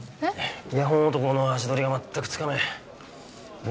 イヤホン男の足取りが全くつかめん防